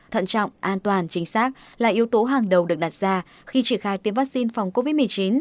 thận trọng an toàn chính xác là yếu tố hàng đầu được đặt ra khi triển khai tiêm vaccine phòng covid một mươi chín